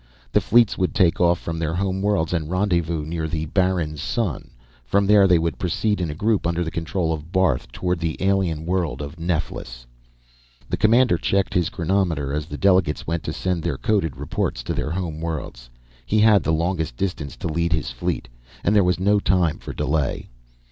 The fleets would take off from their home worlds and rendezvous near the barren sun; from there, they would proceed in a group, under the control of Barth, toward the alien world of Neflis. The commander checked his chronometer as the delegates went to send their coded reports to their home worlds. He had the longest distance to lead his fleet, and there was no time for delay.